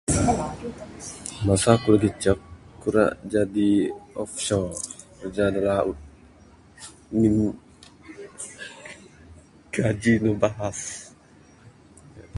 Masa aku lagi icek aku ira jadi offshore kiraja dak laut [unintelligible] gaji ne bahas